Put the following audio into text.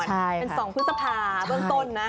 เป็น๒พฤษภาเบื้องต้นนะ